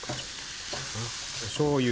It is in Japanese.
おしょうゆ。